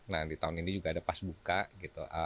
nah di tahun ini juga ada pas buka gitu